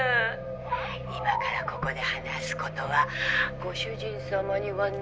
「今からここで話す事はご主人様には内緒よ」